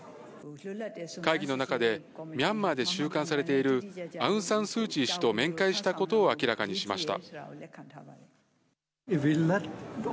会議の中で、ミャンマーで収監されている、アウン・サン・スー・チー氏と面会したことを明らかにしました。